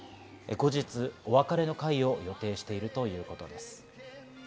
後日、お別れの会を予定しているということです。